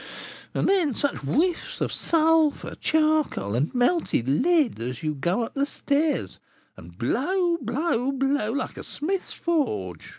And then such whiffs of sulphur, charcoal, and melted lead, as you go up the stairs; and blow, blow, blow, like a smith's forge.